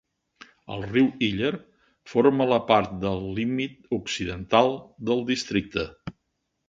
El riu Iller forma part del límit occidental del districte.